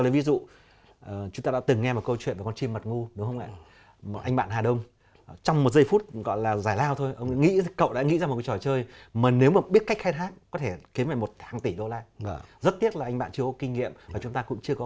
là anh bạn chưa có kinh nghiệm và chúng ta cũng chưa có